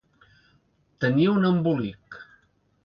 Tenir un embolic.